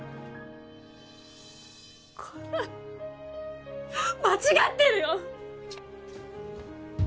こんなの間違ってるよ！